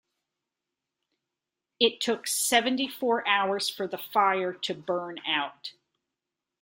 It took seventy-four hours for the fire to burn out.